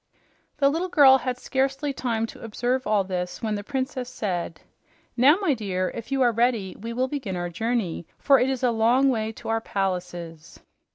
The little girl had scarcely time to observe all this when the princess said, "Now, my dear, if you are ready, we will begin our journey, for it is a long way to our palaces."